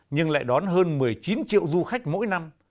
nhưng lại đón hơn một mươi chín triệu du khách mỗi năm